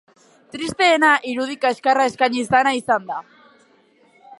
Tristeena irudi kaskarra eskaini izana izan da.